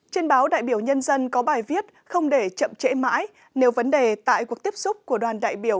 trên báo đại biểu nhân dân có bài viết không để chậm trễ mãi nếu vấn đề tại cuộc tiếp xúc của đoàn đại biểu